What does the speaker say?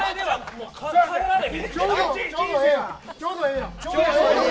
ちょうどええやん。